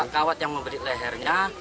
kawat yang membelit lehernya